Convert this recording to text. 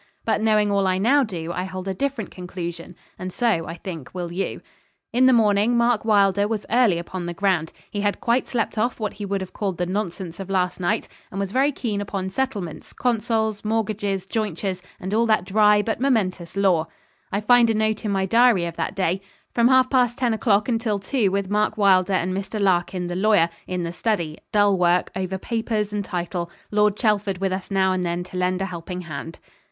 But knowing all I now do, I hold a different conclusion and so, I think, will you. In the morning Mark Wylder was early upon the ground. He had quite slept off what he would have called the nonsense of last night, and was very keen upon settlements, consols, mortgages, jointures, and all that dry but momentous lore. I find a note in my diary of that day: 'From half past ten o'clock until two with Mark Wylder and Mr. Larkin, the lawyer, in the study dull work over papers and title Lord Chelford with us now and then to lend a helping hand.'